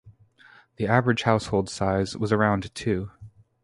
The average household size was around two.